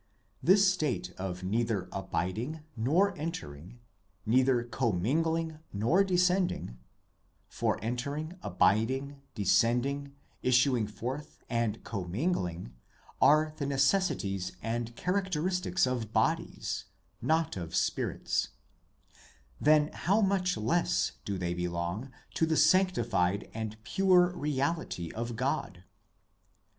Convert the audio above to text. This state is neither abiding nor entering, neither commingling nor descending; for entering, abiding, descending, issuing forth and com mingling are the necessities and characteristics of bodies, not of spirits; then how much less do they belong to the sanctified and pure Reality of God.